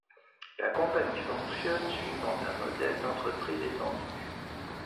La compagnie fonctionne suivant un modèle d'entreprise étendue.